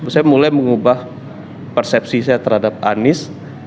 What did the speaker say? saya mulai mengubah persepsi saya terhadap anies